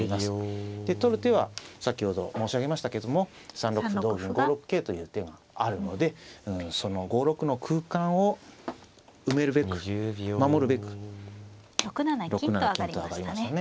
で取る手は先ほど申し上げましたけども３六歩同銀５六桂という手があるのでその５六の空間を埋めるべく守るべく６七金と上がりましたね。